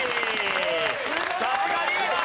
さすがリーダー！